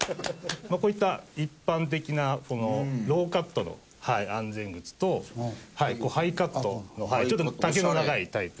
こういった一般的なローカットの安全靴とハイカットのちょっと丈の長いタイプ。